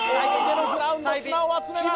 グラウンド砂を集めます。